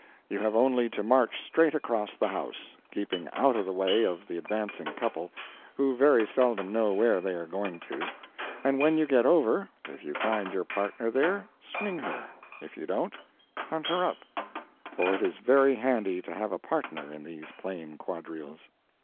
You have only to march straight across the house—keeping out of the way of the advancing couple, who very seldom know where they are going to—and when you get over, if you find your partner there, swing her; if you don't, hunt her up—for it is very handy to have a partner in these plain quadrilles.